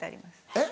えっ？